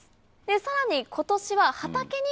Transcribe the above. さらに今年は畑にも。